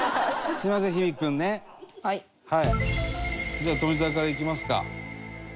では富澤からいきますか。